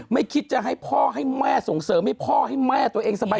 ไม่คิดจะให้พ่อให้แม่ส่งเสริมให้พ่อให้แม่ตัวเองสบาย